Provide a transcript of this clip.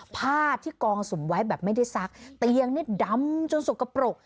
ผ้าที่กองสุมไว้แบบไม่ได้ซักเตียงนี่ดำจนสกปรก